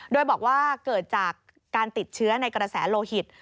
โดยบอกว่าเกิดจากการติดเชื้อในกระแสโลหิต